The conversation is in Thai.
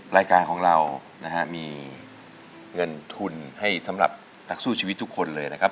รายการของเรานะฮะมีเงินทุนให้สำหรับนักสู้ชีวิตทุกคนเลยนะครับ